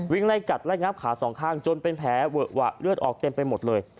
ไล่กัดไล่งับขาสองข้างจนเป็นแผลเวอะหวะเลือดออกเต็มไปหมดเลย